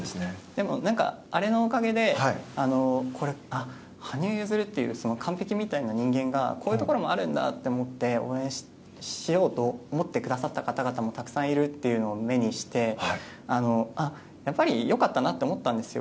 でも、あれのおかげで羽生結弦っていう完璧みたいな人間がこういうところもあるんだって応援しようと思ってくださった方々もたくさんいるというのを目にしてやっぱり良かったなと思ったんです。